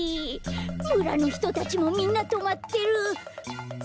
むらのひとたちもみんなとまってる！